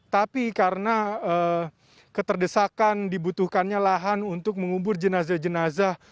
tapi karena keterdesakan dibutuhkannya lahan untuk mengubur jenazah jenazah